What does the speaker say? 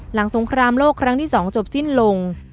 หลังสงครามโลกครั้งที่สองจบสิ้นลง